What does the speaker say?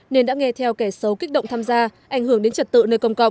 nên đã nghe theo kẻ xấu kích động tham gia ảnh hưởng đến trật tự nơi công cộng